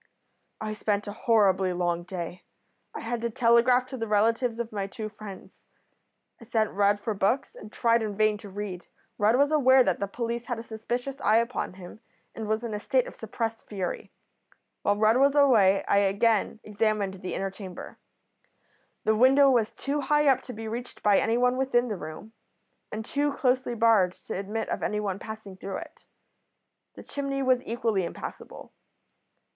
"I spent a horribly long day. I had to telegraph to the relatives of my two friends. I sent Rudd for books, and tried in vain to read. Rudd was aware that the police had a suspicious eye upon him and was in a state of suppressed fury. While Rudd was away I again examined the inner chamber. The window was too high up to be reached by anyone within the room, and too closely barred to admit of anyone passing through it. The chimney was equally impassable.